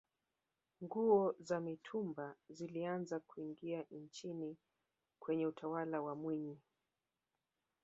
nguo za mitumba zilianza kuingia nchini kwenye utawala wa mwinyi